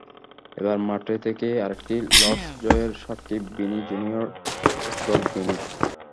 এবার মাঠে থেকেই আরেকটি লর্ডস জয়ের সাক্ষী বিনি জুনিয়র, স্টুয়ার্ট বিনি।